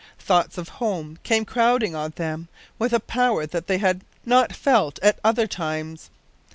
Thoughts of "home" came crowding on them with a power that they had not felt at other times.